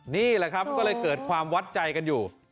นี่แหละครับมันก็เลยเกิดความวัดใจกันอยู่